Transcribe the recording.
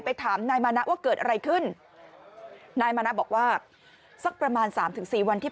ไปถามนายมานะว่าเกิดอะไรขึ้นนายมานะบอกว่าสักประมาณ๓๔วันที่ผ่านมา